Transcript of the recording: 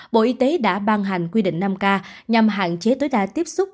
bộ y tế đã ban hành quy định năm k nhằm hạn chế tối đa tiếp xúc